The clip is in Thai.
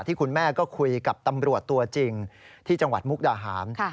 คุณแม่ก็คุยกับตำรวจตัวจริงที่จังหวัดมุกดาหาร